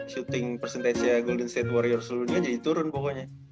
shooting percentage nya golden state warriors seluruhnya jadi turun pokoknya